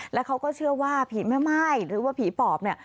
แล้วเขาก็เชื่อว่าผีแม่ม่ายหรือว่าผีปอบเนี่ย